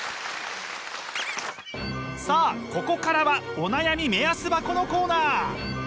さあここからはお悩み目安箱のコーナー。